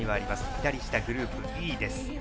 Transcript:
左下のグループＥです。